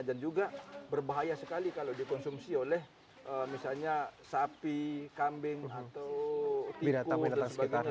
dan juga berbahaya sekali kalau dikonsumsi oleh misalnya sapi kambing atau tikus dan sebagainya